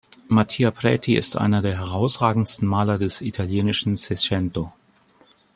Mattia Preti ist einer der herausragendsten Maler des italienischen Seicento.